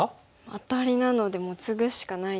アタリなのでもうツグしかないですね。